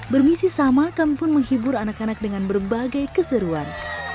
bermisi sama kami pun menghibur anak anak dengan berbagai keseruan